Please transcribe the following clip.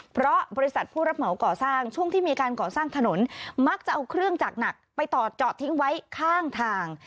เพราะบริษัทผู้รับเหมาก่อสร้างช่วงที่มีการก่อสร้างถนนมักจะเอาเครื่องจักรหนักไปต่อจอดทิ้งไว้ข้างทาง